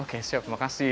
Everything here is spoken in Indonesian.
oke siap terima kasih